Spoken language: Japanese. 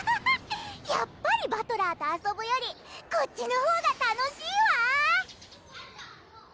やっぱりバトラーと遊ぶよりこっちのほうが楽しいわ！